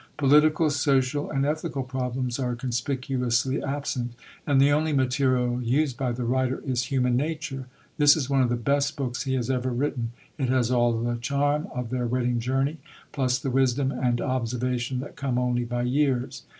Political, social, and ethical problems are conspicuously absent, and the only material used by the writer is human nature. This is one of the best books he has ever written; it has all the charm of Their Wedding Journey, plus the wisdom and observation that come only by years.